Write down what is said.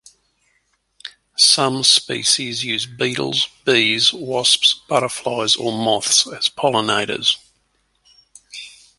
Some species use beetles, bees, wasps, butterflies or moths as pollinators.